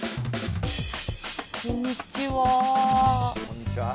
こんにちは。